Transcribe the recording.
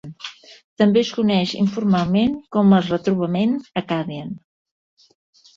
També es coneix informalment com el "retrobament Acadian".